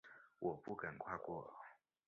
我不敢跨过